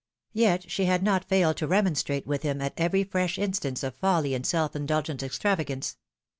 Yet she had not failed to remonstrate with him at every fresh instance of folly and self indulgent extravagance.